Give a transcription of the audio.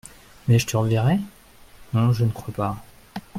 Mais je te reverrai ? Non, je ne crois pas.